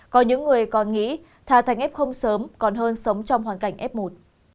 có những người còn nghĩ thả thành ép không sớm còn hơn sống trong hoàn cảnh ép một